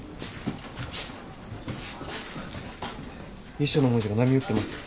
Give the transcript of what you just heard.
遺書の文字が波打ってます。